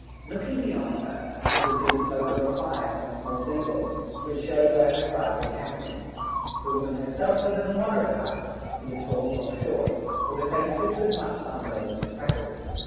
Looking beyond her, I could see the smoke of a fire from a small dingle, which showed where her tribe were camping. The woman herself was of a moderate height, neither tall nor short, with a face which was much sunburned and freckled.